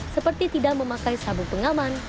seperti tidak memakai sabuk pengaman